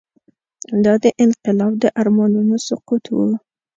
دا د انقلاب د ارمانونو سقوط و.